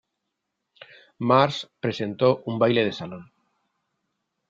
Marsh presentó un baile de salón.